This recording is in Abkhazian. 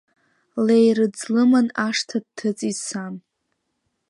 Леирыӡ лыман ашҭа дҭыҵит сан…